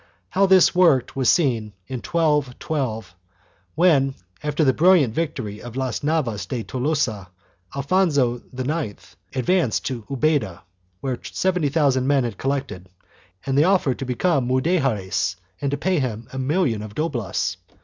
How this worked was seen, in 1212, when, after the brilliant victory of Las Navas de Tolosa, Alfonso IX advanced to Ubeda, where 70,000 men had collected, and they offered to become Mudejares and to pay him a million of doblas.